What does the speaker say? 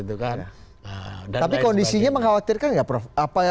tapi kondisi mengkhawatirkan nggak prof